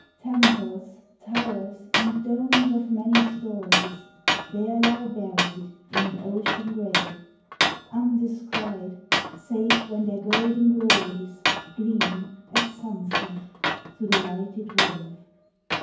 Temples, towers, and domes of many stories There lie buried in an ocean grave, — Undescried, save when their golden glories Gleam, at sunset, through the lighted wave.